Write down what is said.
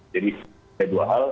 jadi ada dua hal